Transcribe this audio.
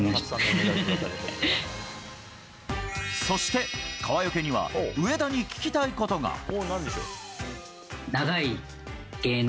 そして川除には上田に聞きたいことが。